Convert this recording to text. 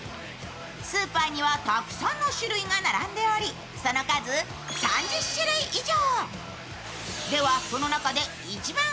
スーパーにはたくさんの酒類が並んでおりその数、３０種類以上。